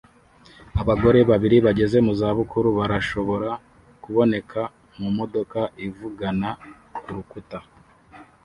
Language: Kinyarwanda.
Abagore babiri bageze mu zabukuru barashobora kuboneka mumodoka ivugana kurukuta